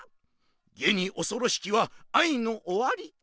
げにおそろしきは愛の終わりか？